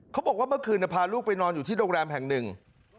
เขาบอกว่าเมื่อคืนพาลูกไปนอนอยู่ที่โรงแรมแห่งหนึ่ง